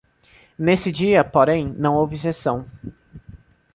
Nesse dia, porém, não houve sessão.